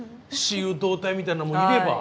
雌雄同体みたいなのもいれば。